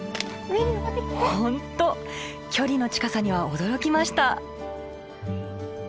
本当距離の近さには驚きました！